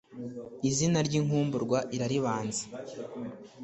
izina ry’inkumburwa iraribanza